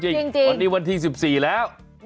จริงวันนี้วันที่๑๔แล้ว